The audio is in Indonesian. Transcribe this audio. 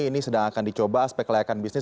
ini sedang akan dicoba aspek layakan bisnis